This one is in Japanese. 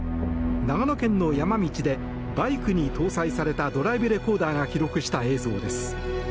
長野県の山道でバイクに搭載されたドライブレコーダーが記録した映像です。